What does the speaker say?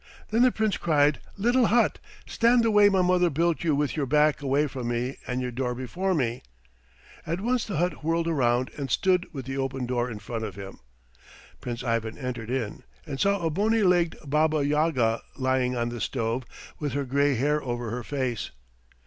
Then the Prince cried, "Little hut, stand the way my mother built you with your back away from me and your door before me." At once the hut whirled round and stood with the open door in front of him. Prince Ivan entered in, and saw a bony legged Baba Yaga lying on the stove with her grey hair over her face.